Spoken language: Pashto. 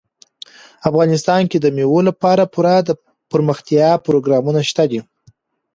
افغانستان کې د مېوو لپاره پوره دپرمختیا پروګرامونه شته دي.